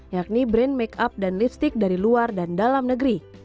yakni brand makeup dan lipstick dari luar dan dalam negeri